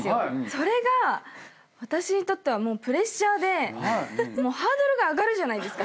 それが私にとってはプレッシャーでハードルが上がるじゃないですか。